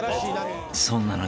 ［そんな中］